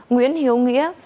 nguyễn hiếu nghĩa